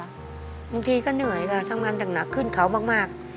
บางทีก็เหนื่อยค่ะทั้งวานดั่งหนาขึ้นเข้ามาก